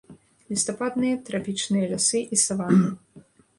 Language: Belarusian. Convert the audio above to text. Лістападныя трапічныя лясы і саванны.